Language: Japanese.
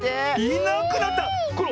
いなくなった⁉これ